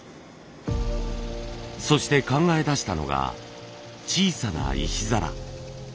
そして考え出したのが小さな石皿。